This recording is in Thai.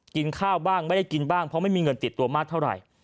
กินข้าวบ้างไม่ได้กินบ้างเพราะไม่มีเงินติดตัวมากเท่าไหร่